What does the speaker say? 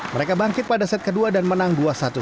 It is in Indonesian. mereka bangkit pada set kedua dan menang dua satu tiga belas